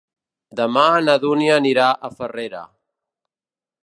Demà na Dúnia anirà a Farrera.